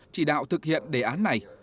trị đạo thực hiện đề án này